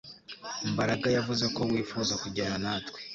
Mbaraga yavuze ko wifuza kujyana natwe